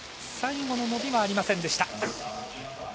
最後の伸びはありませんでした。